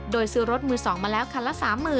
โดยซื้อรถมือ๒มาแล้วคันละ๓๐๐๐